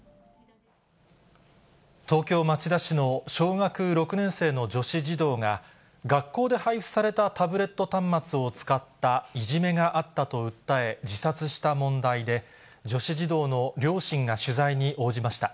東京・町田市の小学６年生の女子児童が、学校で配布されたタブレット端末を使ったいじめがあったと訴え、自殺した問題で、女子児童の両親が取材に応じました。